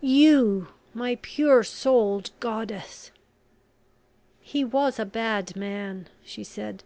you my pure souled goddess." "He was a bad man," she said.